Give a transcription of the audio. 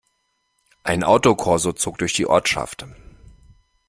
Ein Autokorso zog durch die Ortschaft.